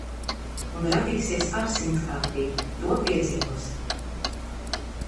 Un radīsies ar simtkārtīgi. To piedzīvosit.